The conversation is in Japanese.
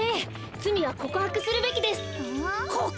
つみはこくはくするべきです。